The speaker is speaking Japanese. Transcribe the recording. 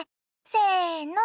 せの。